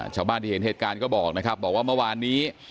ชาวบ้านที่เห็นเหตุการณ์ก็บอกนะครับบอกว่าเมื่อวานนี้